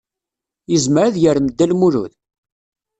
Yezmer ad yarem Dda Lmulud?